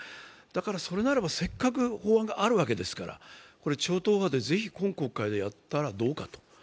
だからそれならばせっかく法案があるわけですから超党派で、ぜひ今国会でやったらどうかと。